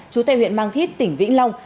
chú tây huyện mang thít tỉnh vĩnh long